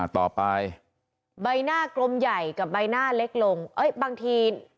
ต่อไปใบหน้ากลมใหญ่กับใบหน้าเล็กลงบางที